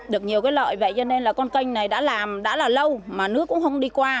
được nhiều cái lợi vậy cho nên là con kênh này đã làm đã là lâu mà nước cũng không đi qua